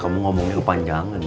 kamu ngomongnya lupa jangan ceng